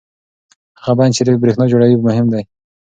هغه بند چې برېښنا جوړوي مهم دی.